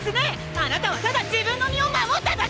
あなたはただ自分の身を守っただけ！！